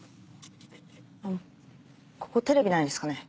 あのここテレビないですかね？